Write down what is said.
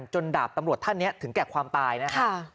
ดาบตำรวจท่านนี้ถึงแก่ความตายนะครับ